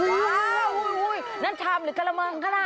ว้าวนั่นชามหรือกระเมิงขนาด